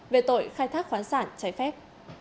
về tội khai thác khoáng sản trái phép